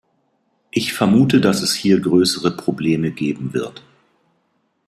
Ich vermute, dass es hier größere Probleme geben wird.